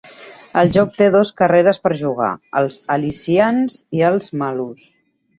El joc té dos carreres per jugar: els Alyssians i els Malus.